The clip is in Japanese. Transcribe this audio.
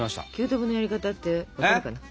９等分のやり方ってわかるかな？